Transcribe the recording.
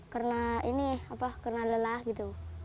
karena ini karena lelah gitu